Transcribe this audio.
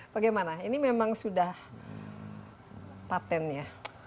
bagaimana ini memang sudah patentnya